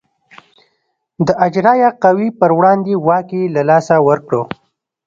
د اجرایه قوې پر وړاندې واک یې له لاسه ورکړ.